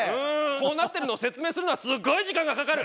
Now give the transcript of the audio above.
こうなってるの説明するのはすごい時間がかかる。